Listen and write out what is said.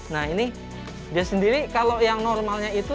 nah ini dia sendiri kalau yang normalnya itu